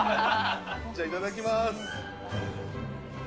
じゃあいただきます。